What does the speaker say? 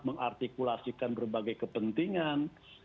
mengartikulasikan berbagai kepentingan